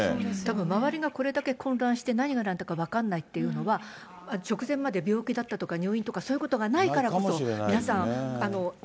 周りがこれだけ混乱して、何がなんだか分からないというのは、直前まで病気だったとか、入院とかそういうことがないからこそ、皆さん、え？